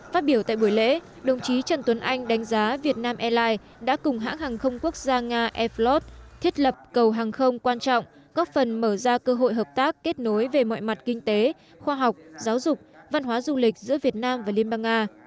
phát biểu tại buổi lễ đồng chí trần tuấn anh đánh giá việt nam airlines đã cùng hãng hàng không quốc gia nga air flos thiết lập cầu hàng không quan trọng góp phần mở ra cơ hội hợp tác kết nối về mọi mặt kinh tế khoa học giáo dục văn hóa du lịch giữa việt nam và liên bang nga